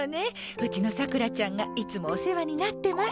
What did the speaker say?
うちのさくらちゃんがいつもお世話になってます。